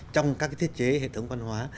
trong các cái thiết chế hệ thống văn hóa